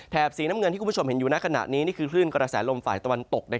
สีน้ำเงินที่คุณผู้ชมเห็นอยู่ในขณะนี้นี่คือคลื่นกระแสลมฝ่ายตะวันตก